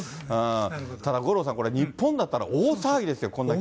ただ、五郎さん、これ日本だったら大騒ぎですよ、こんだけ。